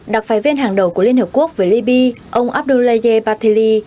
đặc phái viên hàng đầu của liên hợp quốc với libya ông abdullaye batili